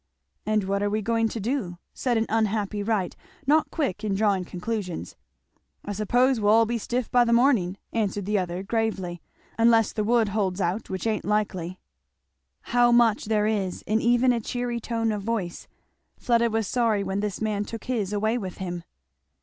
"And what are we going to do?" said an unhappy wight not quick in drawing conclusions. "I s'pose we'll all be stiff by the morning," answered the other gravely, "unless the wood holds out, which ain't likely." How much there is in even a cheery tone of voice, Fleda was sorry when this man took his away with him.